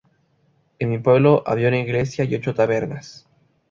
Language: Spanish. En mi pueblo había una iglesia y ocho tabernas.